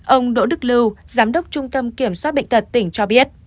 ông đỗ đức lưu giám đốc trung tâm kiểm soát bệnh tật tỉnh cho biết